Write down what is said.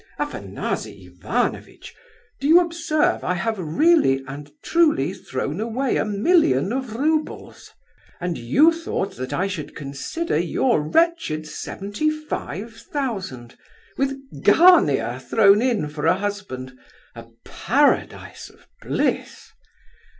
Afanasy Ivanovitch, do you observe I have really and truly thrown away a million of roubles? And you thought that I should consider your wretched seventy five thousand, with Gania thrown in for a husband, a paradise of bliss!